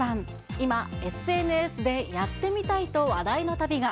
今、ＳＮＳでやってみたいと話題の旅が。